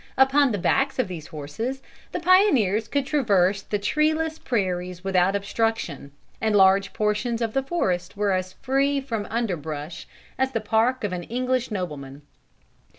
Upon the backs of these horses, the pioneers could traverse the treeless prairies without obstruction, and large portions of the forest were as free from underbrush as the park of an English nobleman.